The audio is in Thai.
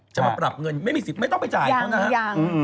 จะมาปรับเงินไม่มีสิทธิ์ไม่ต้องไปจ่ายเขานะครับ